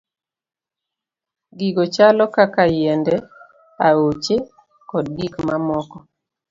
Gigo chalo kaka yiende, aoche, kod gik mamoko.